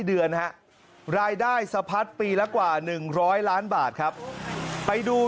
เเดือนนะรายได้สะพัดปีละกว่าหนึ่งร้อยล้านบาทครับไปดู